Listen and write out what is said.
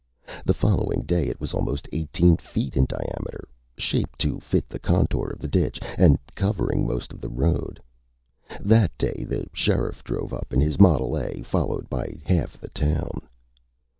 The following day it was almost eighteen feet in diameter, shaped to fit the contour of the ditch, and covering most of the road. That day the sheriff drove up in his model A, followed by half the town.